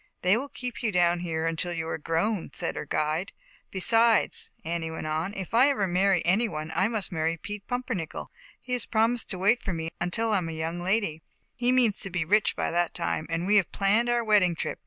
" They will keep you down here until you are grown," said her guide. " Besides," Annie went on, "if I ever marry any one, I must marry Pete Pum pernickel. He has promised to wait for me until I am a young lady, he means to be rich by that time, and we have planned our wedding trip.